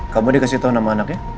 kamu dikasih tahu sama anaknya